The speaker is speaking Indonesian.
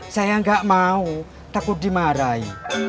saya nggak mau takut dimarahi